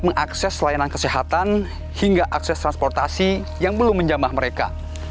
mengakses layanan kesehatan hingga akses transportasi yang belum menjamah mereka